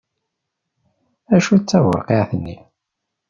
Acu d taburqiεt-nni?